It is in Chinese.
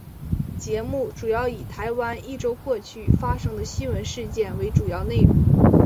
节目主要以台湾一周过去发生的新闻事件为主要内容。